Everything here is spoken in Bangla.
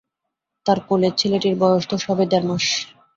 তার কোলের ছেলেটির বয়স তো সবে দেড় মাস।